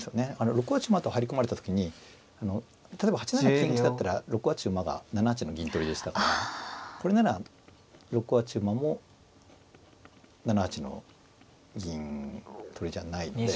６八馬と入り込まれた時に例えば８七金打だったら６八馬が７八の銀取りでしたからこれなら６八馬も７八の銀取りじゃない。